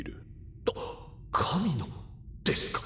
あっ神のですか？